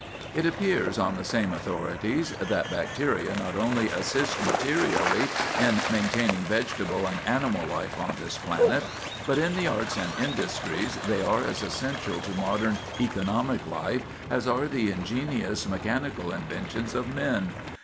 It appears on the same authorities that bacteria not only assist materially in maintaining vegetable and animal life on this planet, but "in the arts and industries they are as essential to modern economic life as are the ingenious mechanical inventions of men.